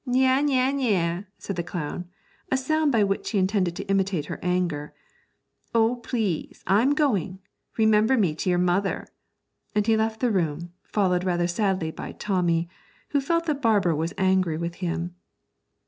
'Nyah, nyah, nyah!' said the clown, a sound by which he intended to imitate her anger. 'Oh, please, I'm going; remember me to your mother.' And he left the room, followed rather sadly by Tommy, who felt that Barbara was angry with him.